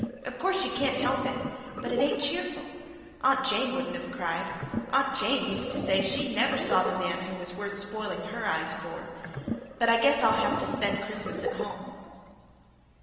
Of course she can't help it, but it ain't cheerful. Aunt Jane wouldn't have cried. Aunt Jane used to say she never saw the man who was worth spoiling her eyes for. But I guess I'll have to spend Christmas at home."